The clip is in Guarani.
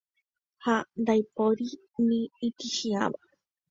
ha ndaipóri ni itĩchiãva